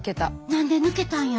何で抜けたんやろ？